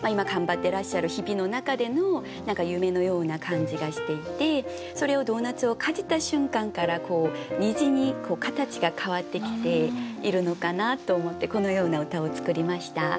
てらっしゃる日々の中での夢のような感じがしていてそれをドーナツをかじった瞬間から虹に形が変わってきているのかなと思ってこのような歌を作りました。